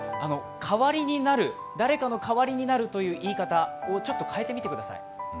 誰かの代わりになるという言い方を、ちょっと変えてみてください。